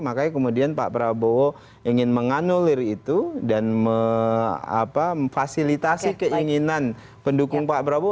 makanya kemudian pak prabowo ingin menganulir itu dan memfasilitasi keinginan pendukung pak prabowo